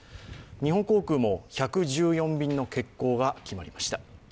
日本航空も１１４便の欠航が決まりました。